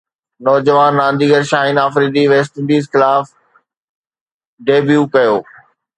نوجوان رانديگر Shaheen Afridi West Indies خلاف ڊيبيو ڪيو